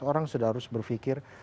orang sudah harus berpikir